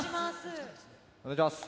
お願いします。